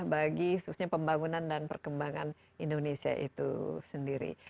bagi khususnya pembangunan dan perkembangan indonesia itu sendiri